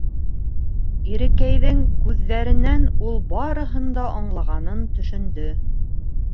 Ирекәйҙең күҙҙәренән ул барыһын да аңлағанын төшөндө.